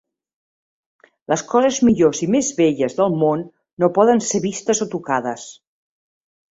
Les coses millors i més belles del món no poden ser vistes o tocades.